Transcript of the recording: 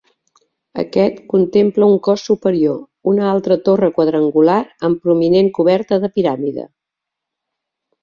Aquest contempla un cos superior, una altra torre quadrangular amb prominent coberta de piràmide.